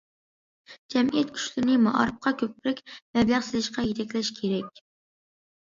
جەمئىيەت كۈچلىرىنى مائارىپقا كۆپرەك مەبلەغ سېلىشقا يېتەكلەش كېرەك.